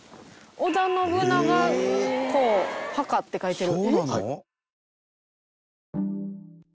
「織田信長公墓」って書いてる。